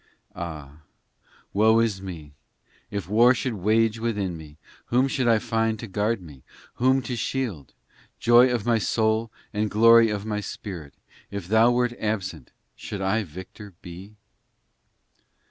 POEMS 297 IV Ah ! woe is me ! if war should wage within me Whom should I find to guard me ? whom to shield ? Joy of my soul and Glory of my spirit, If Thou wert absent, should I victor be